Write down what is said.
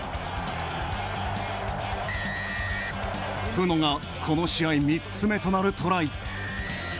プノがこの試合３つ目となるトライ。